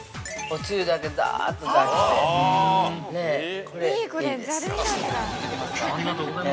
◆おつゆだけ、だあっと出して。